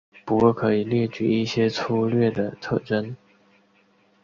不过可以列举一些粗略的特征。